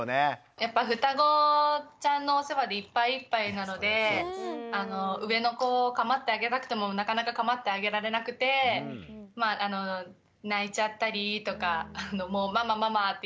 やっぱ双子ちゃんのお世話でいっぱいいっぱいなので上の子をかまってあげたくてもなかなかかまってあげられなくて泣いちゃったりとかもうママママ！っていう感じで。